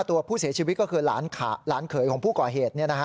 ตัวผู้เสียชีวิตก็คือหลานเขยของผู้ก่อเหตุ